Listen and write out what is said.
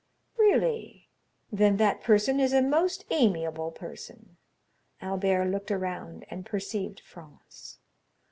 "Really? Then that person is a most amiable person." Albert looked around and perceived Franz.